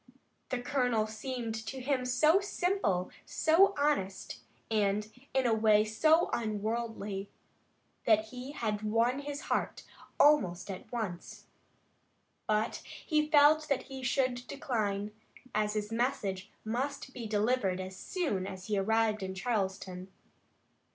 The colonel seemed to him so simple, so honest and, in a way, so unworldly, that he had won his heart almost at once. But he felt that he should decline, as his message must be delivered as soon as he arrived in Charleston.